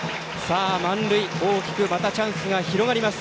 満塁、大きくまたチャンスが広がります。